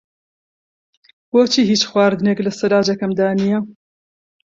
بۆچی هیچ خواردنێک لە سەلاجەکەمدا نییە؟